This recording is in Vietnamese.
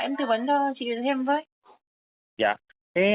em tư vấn cho chị thêm với